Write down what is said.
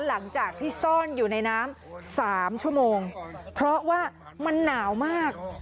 หลังจากที่ซ่อนอยู่ในน้ำสามชั่วโมงเพราะว่ามันหนาวมาก